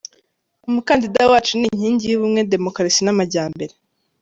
Umukandida wacu ni inking y’ubumwe, demokarasi n’amajyambere.